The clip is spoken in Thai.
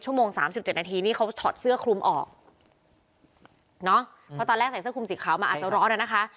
โมงสามสิบเจ็ดนาทีนี่เขาถอดเสื้อคลุมออกเนอะเพราะตอนแรกใส่เสื้อคลุมสีขาวมาอาจจะร้อนอ่ะนะคะ